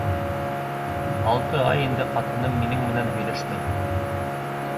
— Алты ай инде ҡатыным минең менән һөйләшмәй.